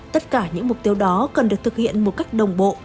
tất cả những mục tiêu đó cần được thực hiện một cách đồng bộ